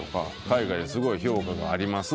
「海外ですごい評価があります」